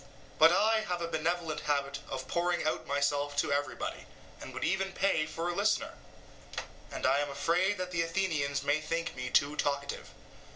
But I have a benevolent habit of pouring out myself to everybody, and would even pay for a listener, and I am afraid that the Athenians may think me too talkative.